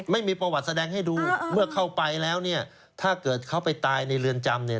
ไม่มีประวัติแสดงให้ดูเมื่อเข้าไปแล้วเนี่ยถ้าเกิดเขาไปตายในเรือนจำเนี่ย